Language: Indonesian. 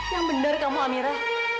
yang bener kamu amira